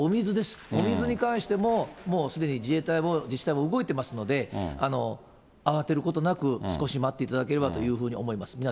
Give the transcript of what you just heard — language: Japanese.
お水に関しても、もうすでに、自衛隊も自治体も動いてますので、慌てることなく、少し待っていただければというふうに思います。